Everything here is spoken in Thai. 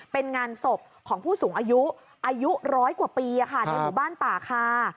เป็นงานศพของผู้สูงอายุอายุร้อยกว่าปีในหมู่บ้านป่าคา